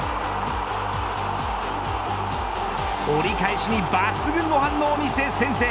折り返しに抜群の反応を見せ先制。